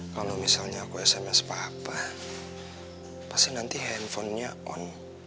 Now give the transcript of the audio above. kalau misalnya aku sms papa pasti nanti handphonenya on